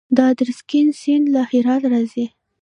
د ادرسکن سیند له هرات راځي